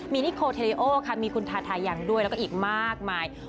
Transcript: มีนิโคเทเรโอค่ะมีคุณทาทายังด้วยแล้วก็อีกมากมาย